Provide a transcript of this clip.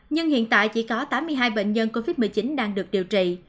nhưng hiện tại chỉ có tám mươi hai bệnh nhân covid một mươi chín đang được điều trị